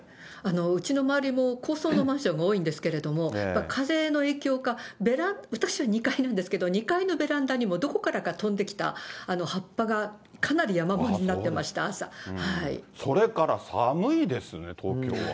うちの周りも、高層のマンションが多いんですけれども、風の影響か、私は２階なんですけど、２階のベランダにも、どこからか飛んできた葉っぱが、それから寒いですね、東京は。